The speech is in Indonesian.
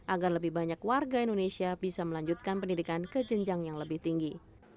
agar lebih banyak warga indonesia bisa melanjutkan pendidikan ke jenjang yang lebih tinggi